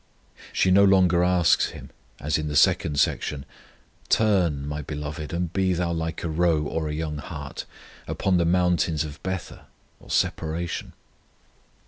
She no longer asks Him, as in the second section: Turn, my Beloved, and be Thou like a roe or a young hart Upon the mountains of Bether [separation].